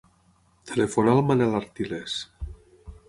Telefona al Manel Artiles.